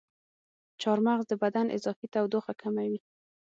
چارمغز د بدن اضافي تودوخه کموي.